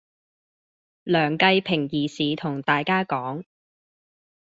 梁繼平義士同大家講